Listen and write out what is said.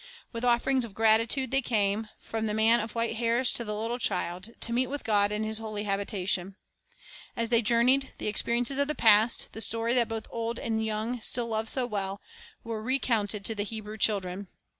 With offerings of gratitude they came, from the man of white hairs to the little child, to meet with God in His holy habitation. As they journeyed, the experiences of the past, the stories that both old and young still love so well, were recounted to the Hebrew children.